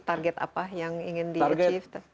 target apa yang ingin di achieve